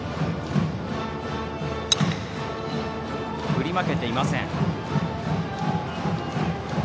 振り負けていません。